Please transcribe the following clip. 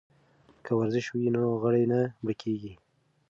که ورزش وي نو غړي نه مړه کیږي.